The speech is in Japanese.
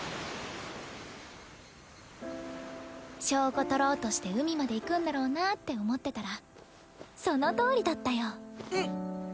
証拠撮ろうとして海まで行くんだろうなって思ってたらそのとおりだったよ。